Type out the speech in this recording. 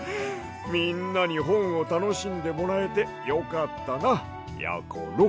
みんなにほんをたのしんでもらえてよかったなやころ。